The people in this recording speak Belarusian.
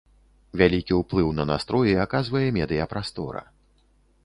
Вялікі ўплыў на настроі аказвае медыяпрастора.